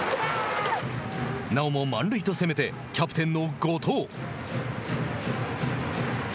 なおも満塁と攻めてキャプテンの後藤。